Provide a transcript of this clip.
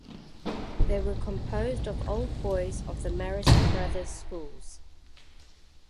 They were composed of old boys of the Marist Brothers’ schools.